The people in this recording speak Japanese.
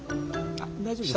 あっ大丈夫です。